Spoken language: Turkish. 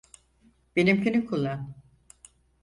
Benimkini kullan.